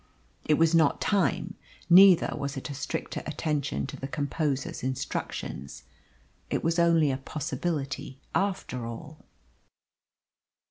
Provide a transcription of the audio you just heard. It was not time, neither was it a stricter attention to the composer's instructions. It was only a possibility, after all.